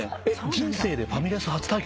人生でファミレス初体験ですか？